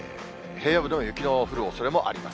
平野部でも雪の降るおそれもあります。